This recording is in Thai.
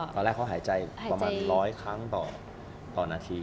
ตอนแรกเขาหายใจประมาณ๑๐๐ครั้งต่อนาที